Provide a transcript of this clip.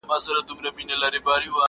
نعمتونه د پېغور او د مِنت یې وه راوړي.